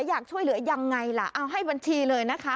อยากช่วยเหลือยังไงล่ะเอาให้บัญชีเลยนะคะ